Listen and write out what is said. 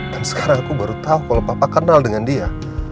dan sekarang aku baru tahu kalau papa kenal dengan dia